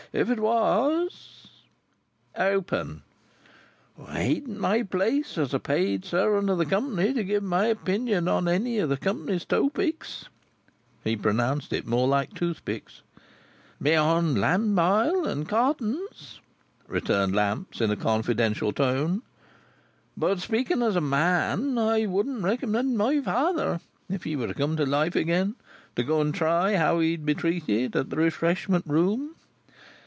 If it was—?" "Open?" "It ain't my place, as a paid servant of the company to give my opinion on any of the company's toepics," he pronounced it more like toothpicks, "beyond lamp ile and cottons," returned Lamps, in a confidential tone; "but speaking as a man, I wouldn't recommend my father (if he was to come to life again) to go and try how he'd be treated at the Refreshment Room.